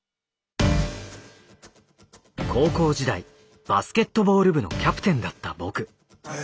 高校時代バスケットボール部のキャプテンだった僕。